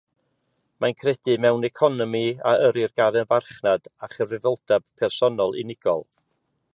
Mae'n credu mewn economi a yrrir gan y farchnad a chyfrifoldeb personol unigol.